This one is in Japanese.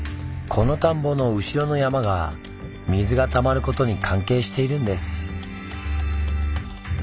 この田んぼの後ろの山が水が溜まることに関係しているんです。